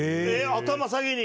頭下げに？